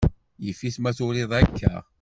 Yif-it ma turiḍ akka.